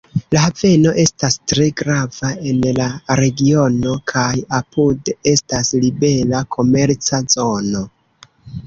La haveno estas tre grava en la regiono kaj apude estas libera komerca zono.